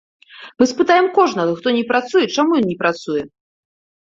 Мы спытаем кожнага, хто не працуе, чаму ён не працуе.